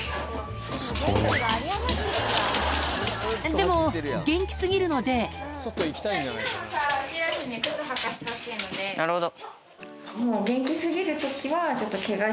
でも元気過ぎるのでなるほど。